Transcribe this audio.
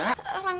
karena masalah ini